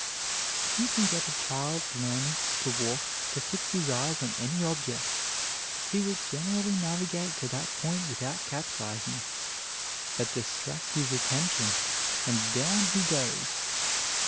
If you can get a child learning to walk to fix his eyes on any object, he will generally navigate to that point without capsizing, but distract his attention and down he goes.